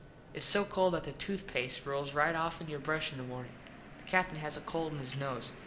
Its so cold that the tooth past rolls right offen your brush in the morning. The Captin has a cold in his nose.